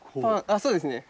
あそうですね。